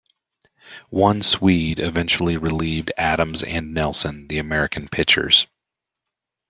One Swede eventually relieved Adams and Nelson, the American pitchers.